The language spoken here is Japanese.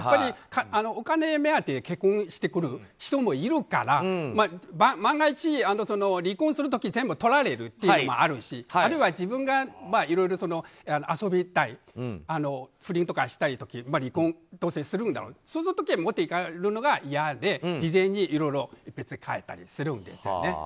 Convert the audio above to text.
お金目当てに結婚してくる人もいるから万が一、離婚する時に全部取られるのもあるしあるいは自分がいろいろ遊びたい不倫とかしたい時どうせ離婚するだろうってそうすると持っていかれるのが嫌で事前にいろいろ書いたりするんです。